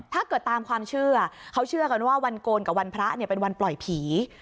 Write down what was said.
ตามความเชื่อเขาเชื่อกันว่าวันโกนกับวันพระเป็นวันปล่อยผี